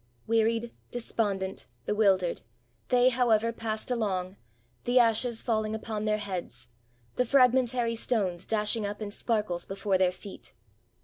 Wearied, despondent, bewildered, they, however, passed along, the ashes falling upon their heads, the fragmentary stones dashing up in sparkles before their feet.